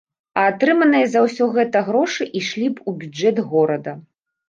А атрыманыя за ўсё гэта грошы ішлі б у бюджэт горада.